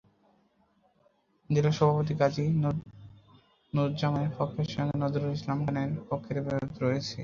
জেলা সভাপতি গাজী নূরুজ্জামানের পক্ষের সঙ্গে নজরুল ইসলাম খানের পক্ষের বিরোধ রয়েছে।